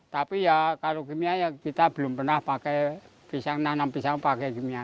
tapi ya kalau kimia ya kita belum pernah pakai pisang nanam pisang pakai kimia